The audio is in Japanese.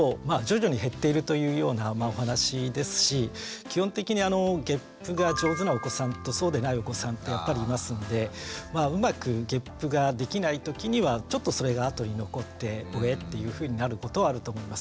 徐々に減っているというようなお話ですし基本的にゲップが上手なお子さんとそうでないお子さんっていますのでうまくゲップができない時にはちょっとそれが後に残って「おえっ」っていうふうになることはあると思います。